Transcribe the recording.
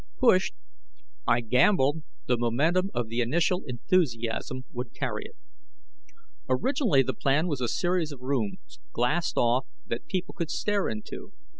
Pushed. I gambled the momentum of the initial enthusiasm would carry it. Originally the plan was a series of rooms, glassed off, that people could stare into.